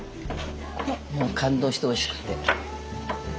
もう感動しておいしくて。